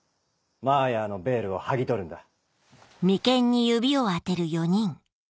マーヤーのヴェールを剥ぎ取るんだ。